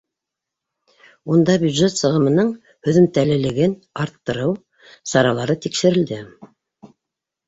Унда бюджет сығымының һөҙөмтәлелеген арттырыу саралары тикшерелде.